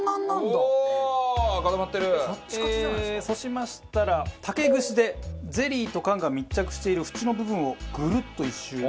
そうしましたら竹串でゼリーと缶が密着している縁の部分をグルッと１周。